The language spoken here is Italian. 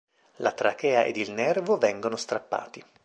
La trachea ed il nervo vengono strappati.